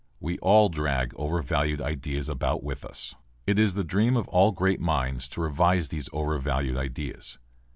We all drag overvalued ideas about with us. It is the dream of all great minds to revise these overvalued ideas.